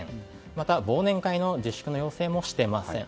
また忘年会の自粛の要請もしていません。